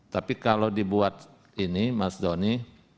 tapi kalau dibuat ini mas doni